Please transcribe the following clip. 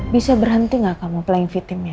bisa berhenti enggak kamu playing fitim ya